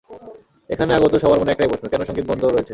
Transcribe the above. এখানে আগত সবার মনে একটাই প্রশ্ন, কেন সংগীত বন্ধ রয়েছে?